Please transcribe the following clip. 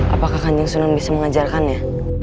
apakah kanjeng sunan bisa mengajarkannya